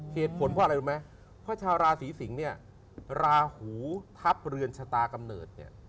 เหตุผลเพราะอะไรรู้ไหมเพราะชาวราศีสิงศ์เนี่ยราหูทัพเรือนชะตากำเนิดเนี่ย